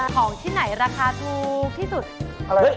ของที่ไหนราคาถูกที่สุด